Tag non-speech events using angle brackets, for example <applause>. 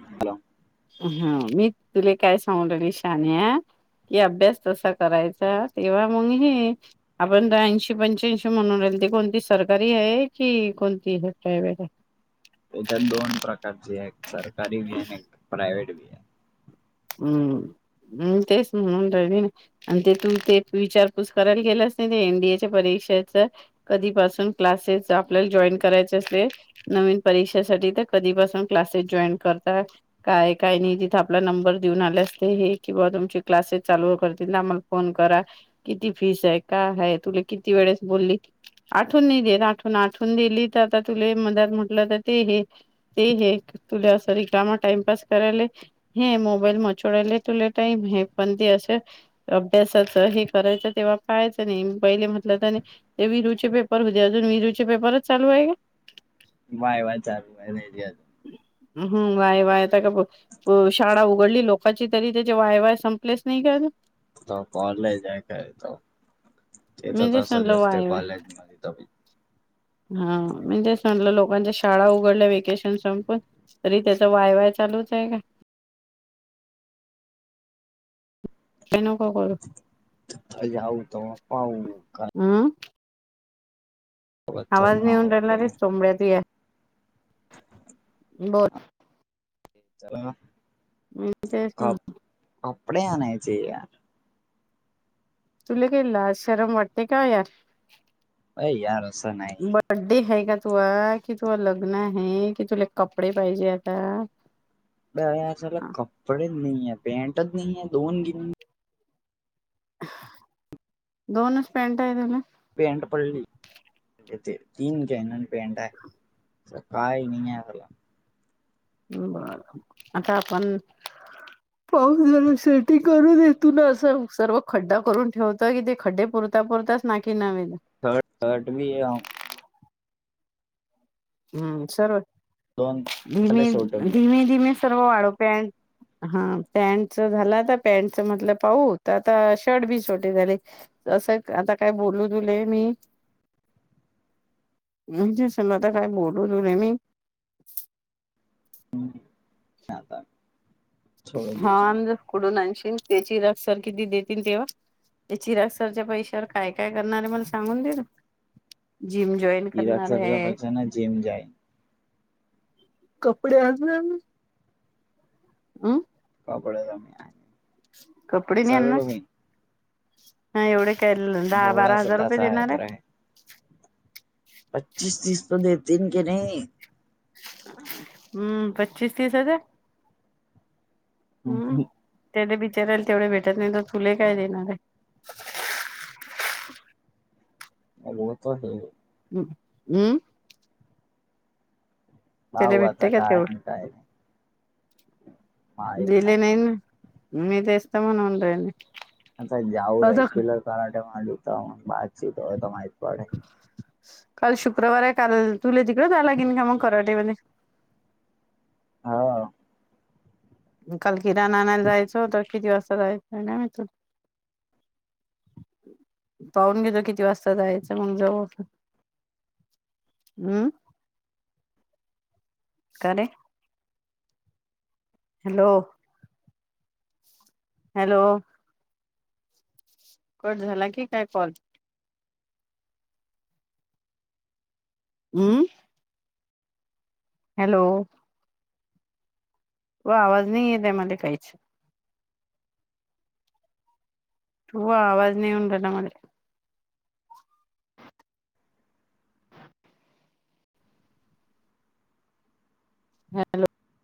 Hello. हा मी तुला काय सागून ठेवले शान्या. कि अभ्यास तसा करायचा तेव्हा मग हे. आपण ऐंशी पंच्याऐंशी म्हणून राहिल ते कोणती सरकारी आहे की कोणती प्रायवहेट आहे. त्याच्यात दोन प्रकारचे एक सरकारी बी आहे एक प्रायवहेट बी आहे. हम्म हम् तेस म्हणून राहिल. आणि ते तू ते विचार पुस करायला गेलंस नाही ते एनडीएच्या परीक्षेच? कधीपासून क्लासेस आपल्याला जॉईन करायचे असेल. नवीन परीक्षेसाठी तर कधीपासून क्लासेस जॉईन करतात? काय काय नाही तिथं आपला नंबर. देऊन आले असते, किंवा तुमची क्लासेस चालू करतील आम्हाला फोन करा. किती फीस आहे, काय आहे तुला किती वेळेस बोलली. आठवून नाही देत आठवून आठवून दिली तर आता तुला मदत म्हटलं तर ते हे. ते हे तुला असं रिकामा टाइमपास करायला हे मो. मोबाईल म चोडले तुले टाईम हे पण ते असं. अभ्यासाचं हे करायचं तेव्हा पाहायचं नाही पहिले म्हटलं तर. ते विरू चे पेपर उदय होते अजून विरूचे पेपरच चालू आहे का? वाय वाया चालू आहे येडी इट. ह हम् वाय वायता का हो शाळा उघडली लोकांची तरी त्याचे वाय वाय संपलेच नाही का अजुन त कॉलेज आहे काय त, तेथ मी तेच तसच म्हणलं असते वाय वाय कॉलेज मध्ये तर हा म्हणजे सगल्या लोकांच्या शाळा उघडल्या वेकेशन संपून तरी त्याचा वाय वाय चालूच का ते नको करू घरी याऊ तवा पाऊ, काय हम् बथर आवाज नइ न येऊन हो राहिलारे चोंबड्या तुया, बोलं चला मी तेच कप कपडे आणायचे यार तुले काय लाज शरम वाटते का यार अय यार असं नाही बड्डे हाय का तुआ कि तु लग्न हाय कि तुला कपडे पाहिजे आता बयार सगळ हा, कपडेच नाहीये पॅन्टचं नाहीये धुऊन बिऊन दोनच पॅन्टय तुला पॅन्ट पडली येथे, तीन गॅनन पॅन्ट आहे. असं काय नाहीये याअरला बर आता आपण <inaudible> पाऊस जरा शेटिंग करून येतो ना असं सर्व खड्डा करून ठेवतो की ते खड्डे पु त्या पुरतात नाकी नऊ येईल थर्ड थर्ट मी हाय हम्म सर्व, दोन सगळे धीमे सोडून धीमे धीमे सर्व वाढोप्यान हा पॅन्टच झाल आता पॅन्टच म्हटलं पाहू तर आता शर्ट बी छोटे झाले असं आता काय बोलू तुले मी <inaudible> <unintelligible> म्हणजे सम आता काय बोलू तुले मी गेले आता हा कुठुन आणशील त्याची रक् सारकी ते देतील तेव्हा- ते चिरागसरच्या पैशावर काय काय करणारे मला सांगून देना जिम जॉईन इराक करणार सारख्या आहे पैशांना जिम जाईन कपडे आणणार ना अं कपडे आम्ही आने कपडे नाही आणणार हा एवढे काय दहा- बारा हजार रुपये देणारं. पच्चीस -तीस पण देतील की नाही. हम्म पच्चीस -तीस हजार, हम्म त्याले बिचाराला तेवढे भेटत नाही तर तुले काय देणारं. माझा रोजचा हेय हम् हम् त्याले भाव आता भेटते का काय तेवढ आहे काय नाही दिले नाही ना. मी तेच तर म्हणून राहीली. आता जाऊ रेग्युलर कराट म जता बाातचत होय माहीत पडे <unintelligible> काल शुक्रवार आहे काल तुले तिकडे जाय लागेन का मग कराटेमध्ये. हाव काल किराणा आणायला जायचं होतं किती वाजता जायचं आहे काय माहित पाहून घे जो किती वाजता जायचं म्हणण्यावर ऊठ हम्म का रे हॅलो हॅलो कट झाला की काय काॅल हम्म हॅलो ओ आवाज नाही येते मले काहीच तू आवाज नाही येऊन राहिला मले हॅलो